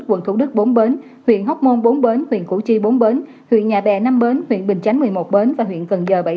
quận thủ đức bốn bến huyện hóc môn bốn bến huyện củ chi bốn bến huyện nhà bè năm bến huyện bình chánh một mươi một bến và huyện cần giờ bảy mươi